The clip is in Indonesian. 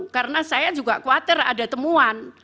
karena saya juga khawatir ada temuan